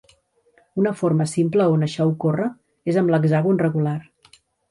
Una forma simple on això ocorre és amb l'hexàgon regular.